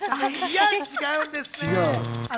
違うんです。